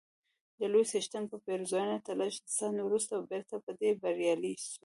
د لوی څښتن په پېرزوینه تر لږ ځنډ وروسته بیرته په دې بریالی سوم،